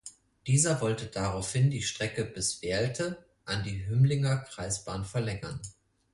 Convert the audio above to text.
Dieser wollte daraufhin die Strecke bis Werlte an die Hümmlinger Kreisbahn verlängern.